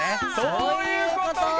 そういうことか！